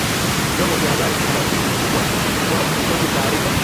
Vyombo vya habari vina wajibu mkubwa wa kuripoti taarifa